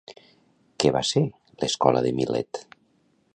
Què va ser l'escola de Milet?